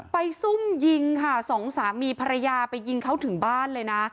ซุ่มยิงค่ะสองสามีภรรยาไปยิงเขาถึงบ้านเลยนะ